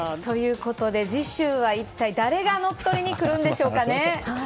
次週は一体誰がのっとりに来るんでしょうかね？